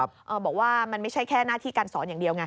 บอกว่ามันไม่ใช่แค่หน้าที่การสอนอย่างเดียวไง